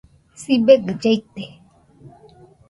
Sibegɨ llaite